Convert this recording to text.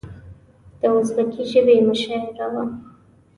د ازبکي ژبې مشاعره وه.